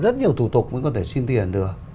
rất nhiều thủ tục mới có thể xin tiền được